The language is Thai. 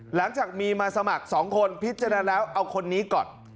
หลังจากมีมาสมัคร๒คนพิจารณาแล้วเอาคนนี้ก่อน